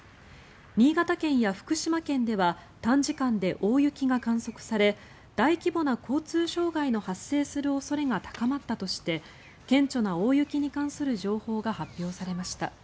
新潟県や福島県では短時間で大雪が観測され大規模な交通障害の発生する恐れが高まったとして顕著な大雪に関する情報が発表されました。